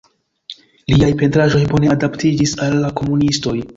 Liaj pentraĵoj bone adaptiĝis al la komunistoj.